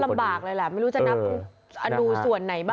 นับลำบากเลยล่ะไม่รู้จะนับอันดูส่วนไหนบ้างเนาะ